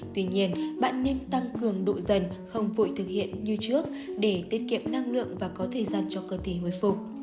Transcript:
tuy nhiên bạn nên tăng cường độ dần không vội thực hiện như trước để tiết kiệm năng lượng và có thời gian cho cơ thể hồi phục